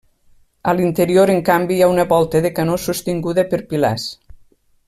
A l'interior en canvi hi ha una volta de canó sostinguda per pilars.